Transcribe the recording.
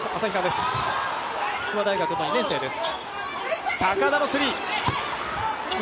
筑波大学の２年生です。